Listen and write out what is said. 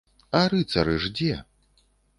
А рыцары ж дзе?